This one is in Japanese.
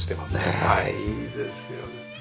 ねえいいですよね。